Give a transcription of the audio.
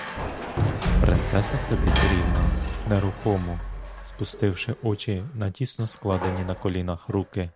Принцеса сидить рівно, нерухомо, спустивши очі на тісно складені на колінах руки.